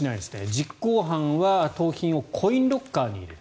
実行犯は盗品をコインロッカーに入れる。